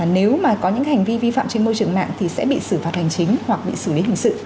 nếu mà có những hành vi vi phạm trên môi trường mạng thì sẽ bị xử phạt hành chính hoặc bị xử lý hình sự